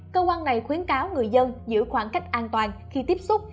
cơ quan này khuyến cáo người dân giữ khoảng cách an toàn khi tiếp xúc